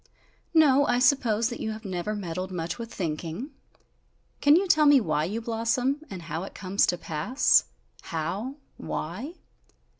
"No, I suppose that you have never meddled much with thinking! Can you tell me why you blossom? And how it comes to pass? How? Why?"